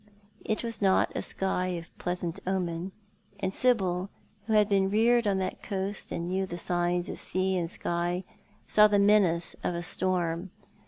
It was not a sky of pleasant omen, and Sibyl, who had been reared on that coast and knew the signs of sea and sky, saw the menace of a storm.